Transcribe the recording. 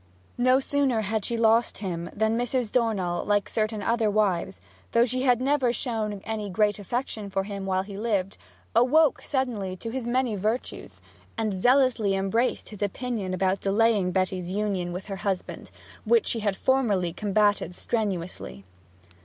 No sooner had she lost him than Mrs. Dornell, like certain other wives, though she had never shown any great affection for him while he lived, awoke suddenly to his many virtues, and zealously embraced his opinion about delaying Betty's union with her husband, which she had formerly combated strenuously.